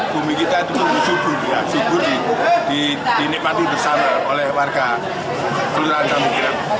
bumi kita itu untuk menyubuh syukur dinikmati bersama oleh warga kelurahan sambi kerep